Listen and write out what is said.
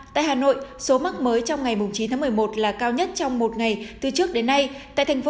tại hà nội số mắc mới trong ngày chín tháng một mươi một là cao nhất trong một ngày từ trước đến nay tại thành phố